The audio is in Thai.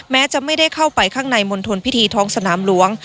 แม้จะไม่ได้เข้าไปข้างในมณฑลพิธีท้องสนามหลวง